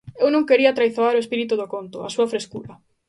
Eu non quería traizoar o espírito do conto, a súa frescura.